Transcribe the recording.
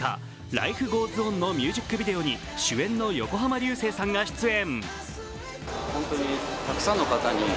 「ＬｉｆｅＧｏｅｓＯｎ」のミュージックビデオに主演の横浜流星さんが出演。